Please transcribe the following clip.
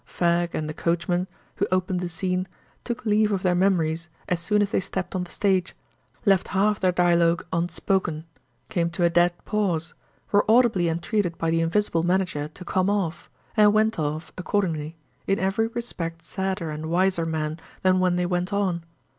"Fag" and "the Coachman," who opened the scene, took leave of their memories as soon as they stepped on the stage; left half their dialogue unspoken; came to a dead pause; were audibly entreated by the invisible manager to "come off"; and went off accordingly, in every respect sadder and wiser men than when they went on.